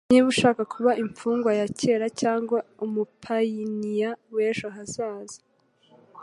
niba ushaka kuba imfungwa ya kera cyangwa umupayiniya w'ejo hazaza.”